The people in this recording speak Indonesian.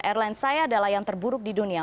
airline saya adalah yang terburuk di dunia